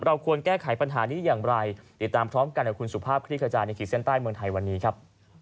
ควรแก้ไขปัญหานี้อย่างไรติดตามพร้อมกันกับคุณสุภาพคลิกขจายในขีดเส้นใต้เมืองไทยวันนี้ครับ